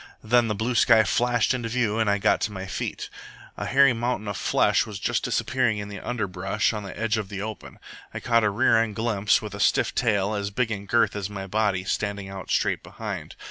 Then the blue sky flashed into view and I got to my feet. A hairy mountain of flesh was just disappearing in the underbrush on the edge of the open. I caught a rear end glimpse, with a stiff tail, as big in girth as my body, standing out straight behind.